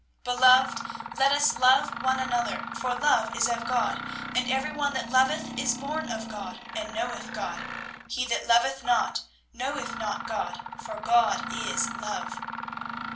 "'Beloved, let us love one another; for love is of God, and every one that loveth is born of God, and knoweth God. He that loveth not, knoweth not God; for God is love.'